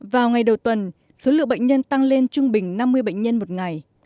vào ngày đầu tuần số lượng bệnh nhân tăng lên trung bình năm mươi bệnh nhân một ngày